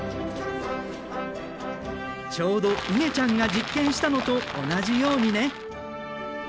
ちょうどいげちゃんが実験したのと同じようにね。